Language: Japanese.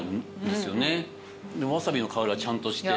でもワサビの香りはちゃんとして。